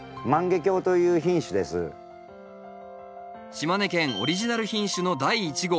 島根県オリジナル品種の第一号